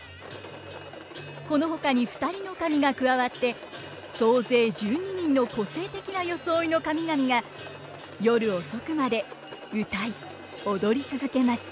このほかに２人の神が加わって総勢１２人の個性的な装いの神々が夜遅くまで歌い踊り続けます。